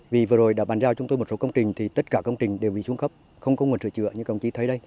vì vừa rồi đã bàn giao chúng tôi một số công trình thì tất cả công trình đều bị xuống cấp không có nguồn sửa chữa như công ty thấy đây